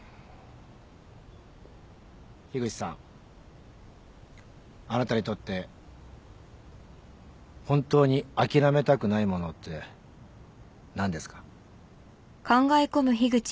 樋口さんあなたにとって本当に諦めたくないものって何ですか？